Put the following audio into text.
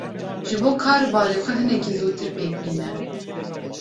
Ji bo kar û barê xwe hinekî zûtir pêk bîne.